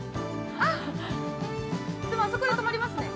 ◆あっ、でもあそこで止まりますね。